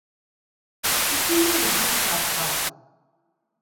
Ǩişinuri dişka p̌ǩvatum.